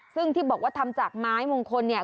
ซึ่งที่บอกว่าทำจากไม้มงคลเนี่ย